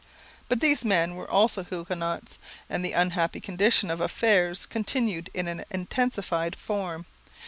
But these men also were Huguenots, and the unhappy condition of affairs continued in an intensified form.